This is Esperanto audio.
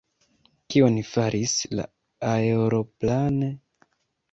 Kion faris la aeroplano?